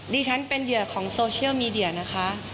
ดิฉันเป็นเหยื่อของโซเชียลมีเดียนะคะ